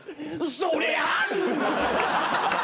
それある！？